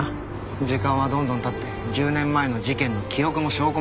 時間はどんどん経って１０年前の事件の記憶も証拠も消えていく。